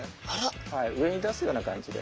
上に出すような感じで。